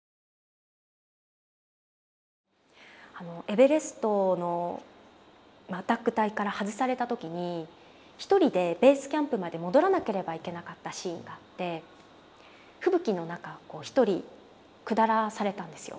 エベレストのアタック隊から外された時に一人でベースキャンプまで戻らなければいけなかったシーンがあって吹雪の中を一人下らされたんですよ。